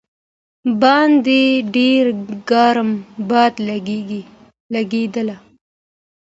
باندې ډېر ګرم باد لګېده.